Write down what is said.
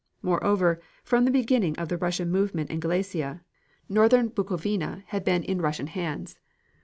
Moreover, from the beginning of the Russian movement in Galicia, northern Bukovina had been in Russian hands.